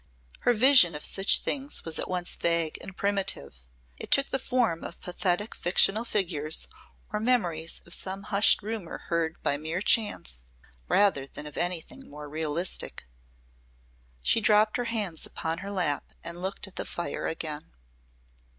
Her vision of such things was at once vague and primitive. It took the form of pathetic fictional figures or memories of some hushed rumour heard by mere chance, rather than of anything more realistic. She dropped her hands upon her lap and looked at the fire again.